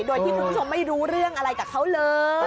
โดยที่คุณผู้ชมไม่รู้เรื่องอะไรกับเขาเลย